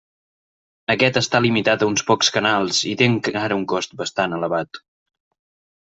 Aquest està limitat a uns pocs canals i té encara un cost bastant elevat.